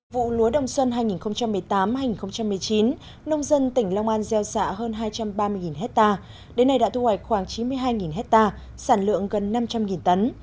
vụ lúa đông xuân hai nghìn một mươi tám hai nghìn một mươi chín nông dân tỉnh long an gieo xạ hơn hai trăm ba mươi hectare đến nay đã thu hoạch khoảng chín mươi hai hectare sản lượng gần năm trăm linh tấn